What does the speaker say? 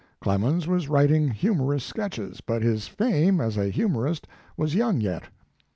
Clemens was writing humorous sketches, but his fame as a humorist was young yet.